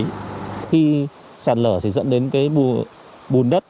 tình trạng sạt lở thì dẫn đến cái bùn đất